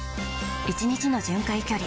１日の巡回距離